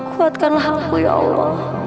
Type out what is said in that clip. kuatkanlah aku ya allah